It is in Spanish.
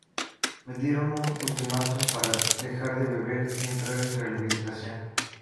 Me dieron un ultimátum para dejar de beber y entrar en rehabilitación.